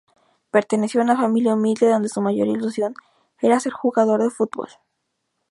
Perteneció a una familia humilde donde su mayor ilusión era ser jugador de fútbol.